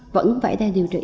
vẫn phải theo điều trị